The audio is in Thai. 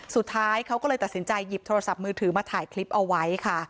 สุดท้ายเขาก็เลยตัดสินใจหยิบโทรศัพท์มือถือมาถ่ายคลิปเอาไว้ค่ะ